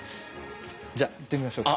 じゃあ行ってみましょうか。